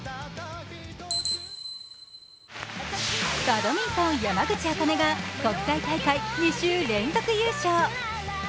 バドミントン、山口茜が国際大会２週連続優勝。